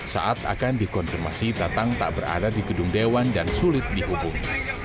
saat akan dikonfirmasi datang tak berada di gedung dewan dan sulit dihubung